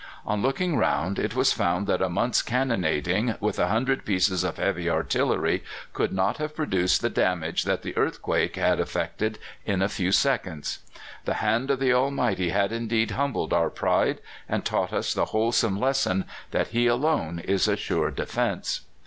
On looking round, it was found that a month's cannonading with a hundred pieces of heavy artillery could not have produced the damage that the earthquake had effected in a few seconds. "The hand of the Almighty had indeed humbled our pride, and taught us the wholesome lesson that He alone is a sure defence."